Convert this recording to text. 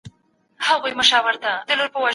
نو ستاسې بریا باید اسانه وي.